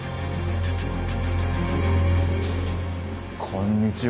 こんにちは。